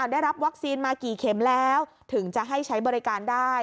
ได้รับวัคซีนมากี่เข็มแล้วถึงจะให้ใช้บริการได้